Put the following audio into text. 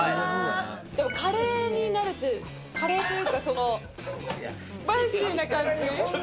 でもカレーに慣れてる、カレーというか、スパイシーな感じ。